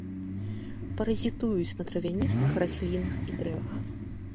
Паразітуюць на травяністых раслінах і дрэвах.